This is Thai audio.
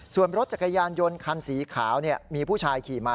ส่วนรถจักรยานยนต์คันสีขาวมีผู้ชายขี่มา